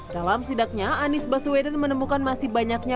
dalam sidaknya anies baswedan menemukan masih banyaknya